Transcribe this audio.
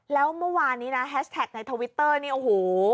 แล้วเมื่อวานนี้นะแฮชแท็กในทวิตเตอร์นี่โอ้โห